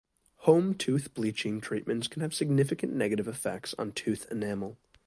Home tooth bleaching treatments can have significant negative effects on tooth enamel.